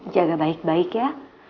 jaga baik baik ya